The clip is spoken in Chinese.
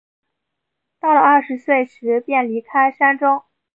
到了二十岁时便离开山中。